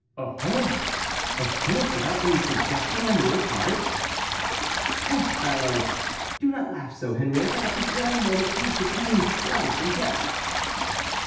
"Oho!—of course without any suggestion on your part?" "Poor fellow! Do not laugh so, Henriette; at this very moment he is between life and death."